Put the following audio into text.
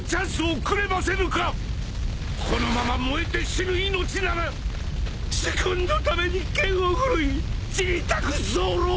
このまま燃えて死ぬ命なら主君のために剣を振るい散りたく候！